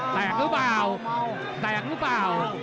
แตกหรือเปล่าแตกหรือเปล่า